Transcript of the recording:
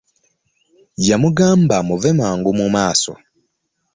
Yamugamba amuve mangu mu maaso